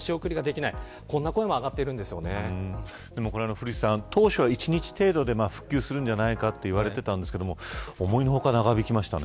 古市さん、当初は１日程度で復旧するんじゃないかといわれていたんですけど思いの外、長引きましたね。